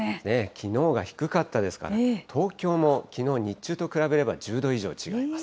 きのうが低かったですから、東京もきのう日中と比べれば、１０度以上違います。